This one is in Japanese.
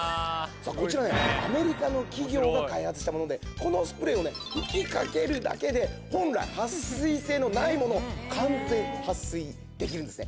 さあ、こちらね、アメリカの企業が開発したもので、このスプレーを吹きかけるだけで、本来、撥水性のないもの、完全撥水にできるんですね。